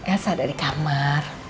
elsa ada di kamar